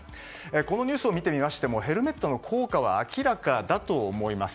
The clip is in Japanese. このニュースを見てみてもヘルメットの効果は明らかだと思います。